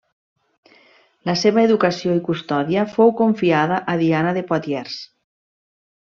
La seva educació i custòdia fou confiada a Diana de Poitiers.